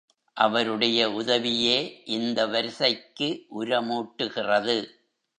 அவருடைய உதவியே இந்த வரிசைக்கு உரமூட்டுகிறது.